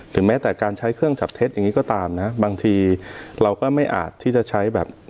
แม้แต่การใช้เครื่องจับเท็จอย่างนี้ก็ตามนะบางทีเราก็ไม่อาจที่จะใช้แบบ